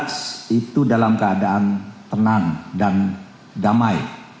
x itu dalam keadaan tenang dan damai